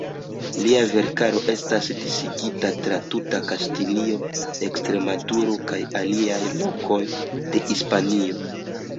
Lia verkaro estas disigita tra tuta Kastilio, Ekstremaduro kaj aliaj lokoj de Hispanio.